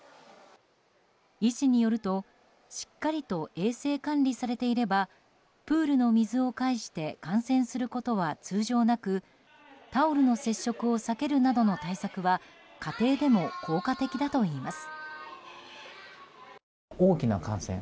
医師によるとしっかりと衛生管理されていればプールの水を介して感染することは通常なくタオルの接触を避けるなどの対策は家庭でも効果的だといいます。